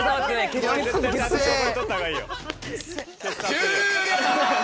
終了！